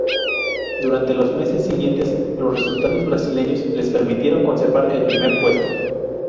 Durante los meses siguientes, los resultados brasileños les permitieron conservar el primer puesto.